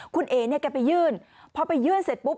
คุณเอ๋เนี่ยแกไปยื่นพอไปยื่นเสร็จปุ๊บ